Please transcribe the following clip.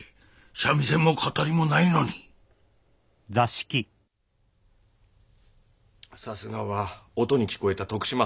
三味線も語りもないのにさすがは音に聞こえた徳島藩の銃士。